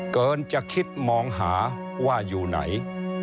เกินจะคิดมองหาว่าอยู่ไหน